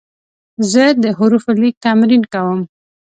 زه د حروفو لیک تمرین کوم.